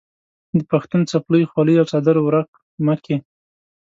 د پښتون څپلۍ، خولۍ او څادر ورک مه کې.